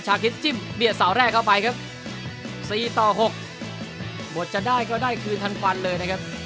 คิดจิ้มเบียดเสาแรกเข้าไปครับ๔ต่อ๖บทจะได้ก็ได้คืนทันควันเลยนะครับ